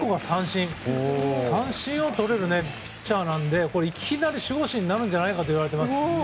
三振をとれるピッチャーなのでいきなり守護神になるんじゃないかといわれています。